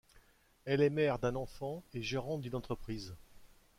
Elle est mère d'un enfant et gérante d'une entreprise.